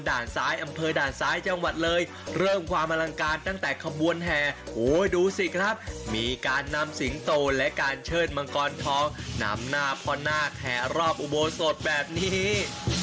ซ้ายอำเภอด่านซ้ายจังหวัดเลยเริ่มความอลังการตั้งแต่ขบวนแห่โอ้ดูสิครับมีการนำสิงโตและการเชิดมังกรทองนำหน้าพ่อนาคแห่รอบอุโบสถแบบนี้